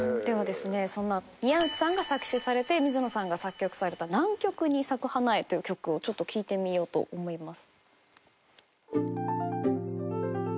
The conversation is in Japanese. そんな宮内さんが作詞されて水野さんが作曲された『南極に咲く花へ』という曲をちょっと聴いてみようと思います。